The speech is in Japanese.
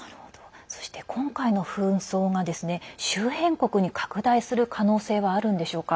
そして今回の紛争が周辺国に拡大する可能性はあるんでしょうか？